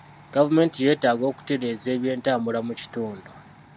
Gavumenti yeetaaga okutereeza ebyentambula mu kitundu.